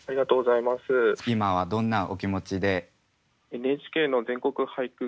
今はどんなお気持ちで？